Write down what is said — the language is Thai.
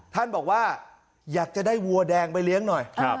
ท่านบอกว่าอยากจะได้วัวแดงไปเลี้ยงหน่อย